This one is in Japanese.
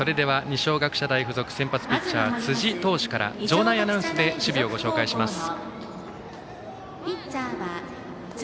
二松学舎大付属先発ピッチャー辻投手からチームの守備を紹介します。